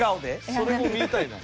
それも見たいな。